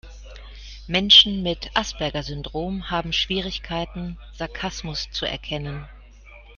Menschen mit Asperger-Syndrom haben Schwierigkeiten, Sarkasmus zu erkennen.